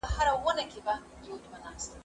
زه به شګه پاکه کړې وي.